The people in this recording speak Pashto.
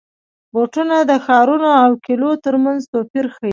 بوټونه د ښارونو او کلیو ترمنځ توپیر ښيي.